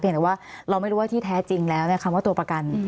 แต่ว่าเราไม่รู้ว่าที่แท้จริงแล้วคำว่าตัวประกัน